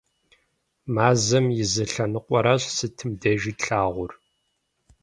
Мазэм и зы лъэныкъуэращ сытым дежи тлъагъур.